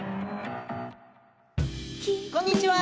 こんにちは。